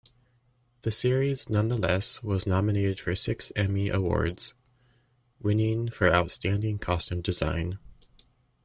The series nonetheless was nominated for six Emmy Awards, winning for Outstanding Costume Design.